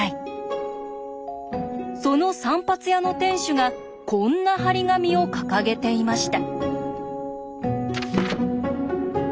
その散髪屋の店主がこんな貼り紙を掲げていました。